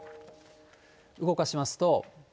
動かしますと。